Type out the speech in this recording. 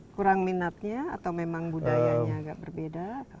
kurang minatnya atau memang budayanya agak berbeda